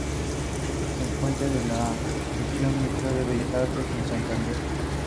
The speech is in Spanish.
El Puente de la visión, Museo de Bellas Artes de Santander.